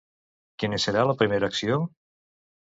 Quina serà la primera acció?